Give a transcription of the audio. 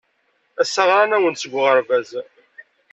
Ass-a ɣran-awen-d seg uɣerbaz.